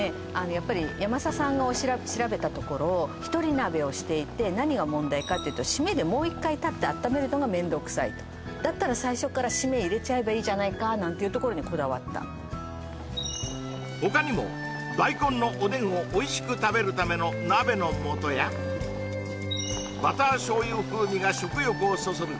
やっぱりヤマサさんが調べたところひとり鍋をしていて何が問題かっていうとシメでもう１回立ってあっためるのがめんどくさいだったら最初からシメ入れちゃえばいいじゃないかなんていうところにこだわった他にも大根のおでんをおいしく食べるための鍋の素やバター醤油風味が食欲をそそる